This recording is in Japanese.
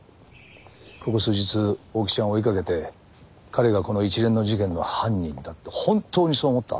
ここ数日大木ちゃんを追いかけて彼がこの一連の事件の犯人だって本当にそう思った？